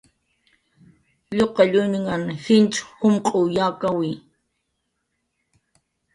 Lluqalluñanhn jich jumq'w yakawi